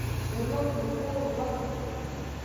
زموږ د خوړو وخت دی